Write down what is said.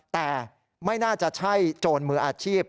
แต่ไม่น่าจะใช่โจรมืออาชีพ